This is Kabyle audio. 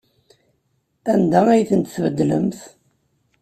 Anda ay tent-tbeddlemt?